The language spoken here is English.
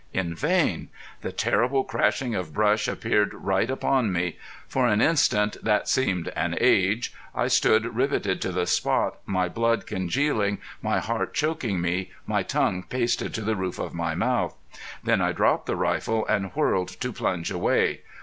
In vain! The terrible crashing of brush appeared right upon me. For an instant that seemed an age I stood riveted to the spot, my blood congealing, my heart choking me, my tongue pasted to the roof of my mouth. Then I dropped the rifle and whirled to plunge away.